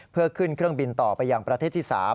เพื่อขึ้นเครื่องบินต่อไปยังประเทศที่๓